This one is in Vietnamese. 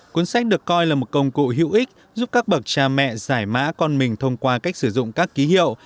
cuốn sách được coi là một công cụ hữu ích giúp các bậc cha mẹ giải mã con mình thông qua cách sử dụng các ký hiệu